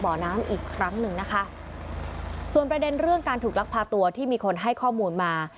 บ่อน้ำอีกครั้งหนึ่งนะคะส่วนประเด็นเรื่องการถูกลักพาตัวที่มีคนให้ข้อมูลมา